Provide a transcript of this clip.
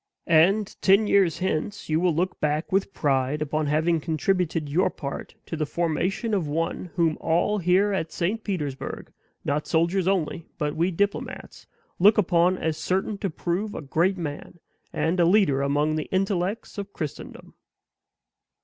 And ten years hence you will look back with pride upon having contributed your part to the formation of one whom all here at St. Petersburg, not soldiers only, but we diplomates, look upon as certain to prove a great man, and a leader among the intellects of Christendom."